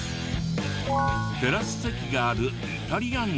テラス席があるイタリアンレストラン。